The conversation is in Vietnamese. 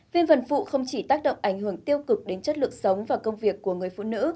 viêm vần phụ không chỉ tác động ảnh hưởng tiêu cực đến chất lượng sống và công việc của người phụ nữ